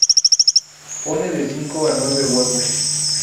Pone de cinco a nueve huevos.